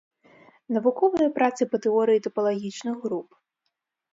Навуковыя працы па тэорыі тапалагічных груп.